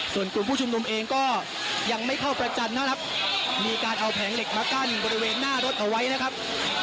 ส่วนกลุ่มผู้ชุมนุมเองก็ยังไม่เข้าประจันทร์นะครับมีการเอาแผงเหล็กมากั้นบริเวณหน้ารถเอาไว้นะครับ